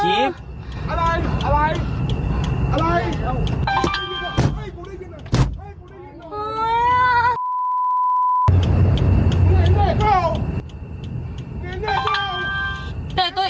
ถ้าคุณคิดว่าแน่คุณลงมาพูด